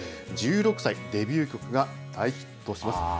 １６歳、デビュー曲が大ヒットします。